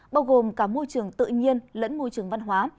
bao gồm cả môi trường tự nhiên lẫn môi trường văn hóa